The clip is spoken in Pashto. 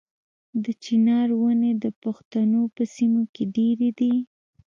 د چنار ونې د پښتنو په سیمو کې ډیرې دي.